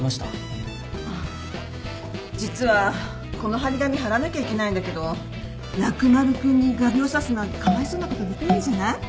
あっ実はこの張り紙張らなきゃいけないんだけどラク丸君に画びょう刺すなんてかわいそうなことできないじゃない？